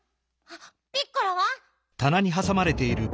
ピッコラは？